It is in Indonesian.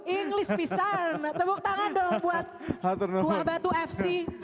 inggris pisang tepuk tangan dong buat buah batu fc